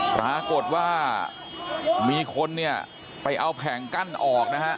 ปรากฏว่ามีคนเนี่ยไปเอาแผงกั้นออกนะฮะ